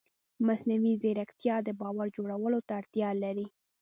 مصنوعي ځیرکتیا د باور جوړولو ته اړتیا لري.